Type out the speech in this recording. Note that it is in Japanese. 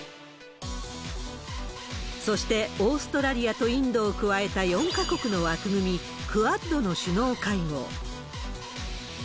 そしてオーストラリアとインドを加えた４か国の枠組み、クアッドの首脳会合。